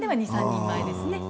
２、３人前ですね。